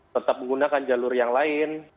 tetap menggunakan jalur yang lain